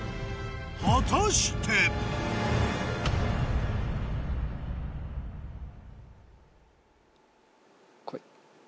果たして⁉こい。